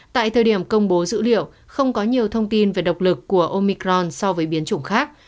tại thời điểm công bố dữ liệu không có nhiều thông tin về độc lực của omicron so với biến chủng khác